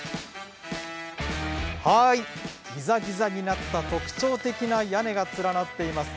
ぎざぎざになった特徴的な屋根が連なっています。